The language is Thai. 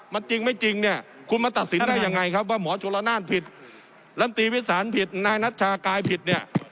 มันจริงไม่จริงเนี่ยคุณมาตัดสินได้ยังไงครับว่าหมอชนละนานผิดลำตีวิสานผิดนายนัชชากายผิดเนี่ย